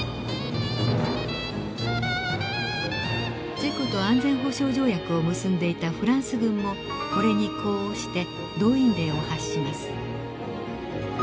チェコと安全保障条約を結んでいたフランス軍もこれに呼応して動員令を発します。